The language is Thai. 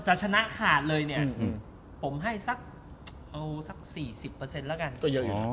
จะชนะขาดเลยเนี่ยอืมผมให้สักเอาสัก๔๐เปอร์เซ็นต์แล้วกันก็เยอะอยู่